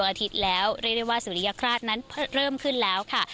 อาทิตย์แล้วเรียกได้ว่าสุริยคราชนั้นเริ่มขึ้นแล้วค่ะ